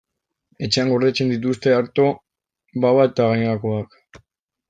Etxean gordetzen dituzte arto, baba eta gainerakoak.